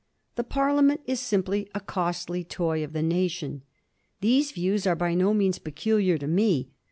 The Parliament is simply a costly toy of the nation. These views are, by no means, peculiar to me.